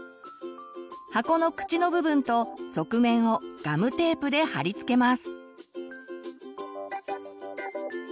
箱の口の部分と側面をガムテープで貼り付けます。